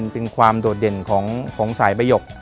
เป็นความโดดเด่นของสายประหยก